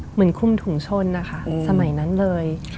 เหมือนคุมถุงชนนะคะสมัยนั้นเลย